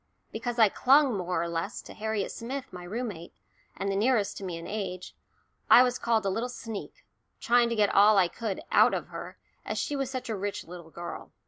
Because I clung more or less to Harriet Smith, my room mate, and the nearest to me in age, I was called a little sneak, trying to get all I could "out of her," as she was such a rich little girl.